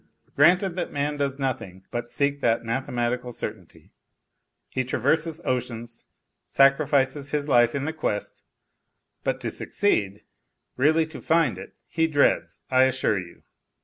Granted that man does nothing but seek that mathematical certainty, he traverses oceans, sacrifices his life in the quest, but to succeed, really to find it, he dreads, I assure you.